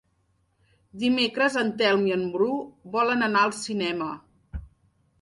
Dimecres en Telm i en Bru volen anar al cinema.